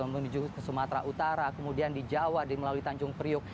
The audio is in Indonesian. menuju ke sumatera utara kemudian di jawa melalui tanjung priuk